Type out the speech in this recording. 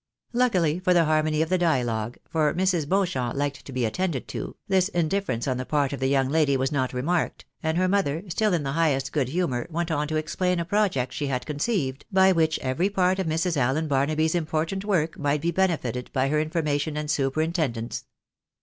Luckily for the harmony of the dialogue (for Mrs. Beauchamp liked to be attended to), this indifference on the part of the young lady was not remarked, and her mother, still in the highest good humour, went on to explain a project she had conceived, by which, every part of Mrs. Allen Barnaby's important work might be bene fited by her information and superintendence.